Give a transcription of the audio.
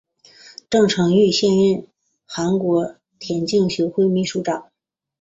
郑成玉现任朝鲜田径协会副秘书长。